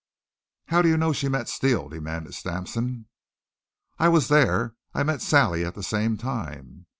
"How do you know she met Steele?" demanded Sampson. "I was there. I met Sally at the same time."